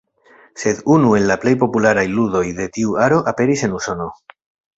Sed unu el la plej popularaj ludoj de tiu aro aperis en Usono.